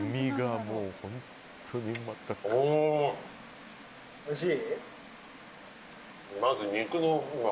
おいしい？